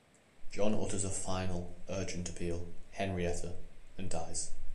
John utters a final urgent appeal, "Henrietta", and dies.